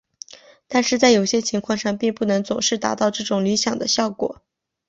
但是在有些情况上并不能总是达到这种理想的效果。